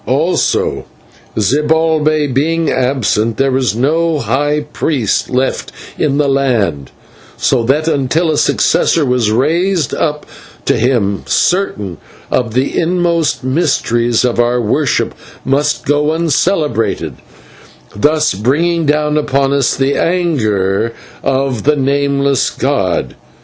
"Also, Zibalbay being absent, there was no high priest left in the land, so that until a successor was raised up to him, certain of the inmost mysteries of our worship must go uncelebrated, thus bringing down upon us the anger of the Nameless god.